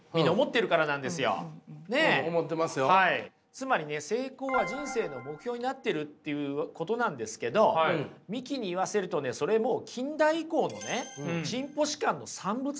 つまりね成功は人生の目標になってるということなんですけど三木に言わせるとそれも近代以降の進歩史観の産物なんですよ。